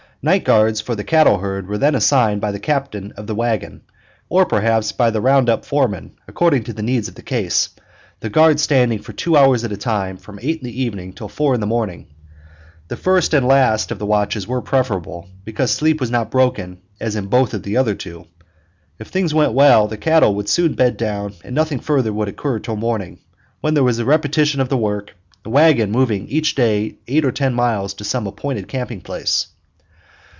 Night guards for the cattle herd were then assigned by the captain of the wagon, or perhaps by the round up foreman, according to the needs of the case, the guards standing for two hours at a time from eight in the evening till four in the morning. The first and last watches were preferable, because sleep was not broken as in both of the other two. If things went well, the cattle would soon bed down and nothing further would occur until morning, when there was a repetition of the work, the wagon moving each day eight or ten miles to some appointed camping place.